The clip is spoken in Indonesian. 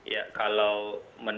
ya kalau mendapatkan